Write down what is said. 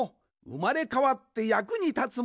うまれかわってやくにたつ！